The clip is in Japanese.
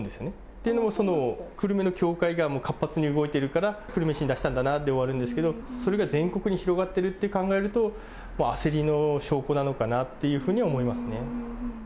というのも、その久留米の教会側も活発に動いているから、久留米市に出したんだなで終わるんですけど、それが全国に広がっていると考えると、焦りの証拠なのかなというふうに思いますね。